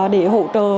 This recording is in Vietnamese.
để hỗ trợ